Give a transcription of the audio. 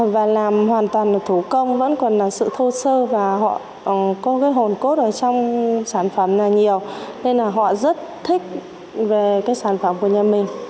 và làm hoàn toàn là thủ công vẫn còn là sự thô sơ và họ có cái hồn cốt ở trong sản phẩm này nhiều nên là họ rất thích về cái sản phẩm của nhà mình